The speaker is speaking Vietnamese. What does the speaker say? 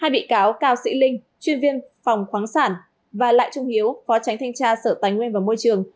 hai bị cáo cao sĩ linh chuyên viên phòng khoáng sản và lại trung hiếu phó tránh thanh tra sở tài nguyên và môi trường